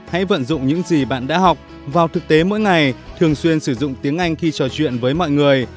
hãy vận dụng những gì bạn đã học vào thực tế mỗi ngày thường xuyên sử dụng tiếng anh khi trò chuyện với mọi người